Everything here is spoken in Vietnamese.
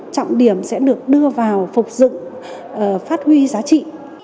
trọng điểm sẽ được đưa vào phục dựng phát huy giá trị